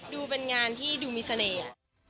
ดูเป็นงานที่ดูมีเสน่ห์